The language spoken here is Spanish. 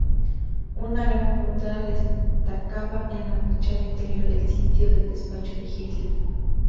Una gran portada destacaba en la fachada interior el sitio del despacho de Hitler.